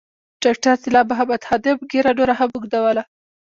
ډاکټر طلا محمد خادم ږیره نوره هم اوږدوله.